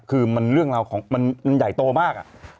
คือเรื่องราวของมันใหญ่โตมาก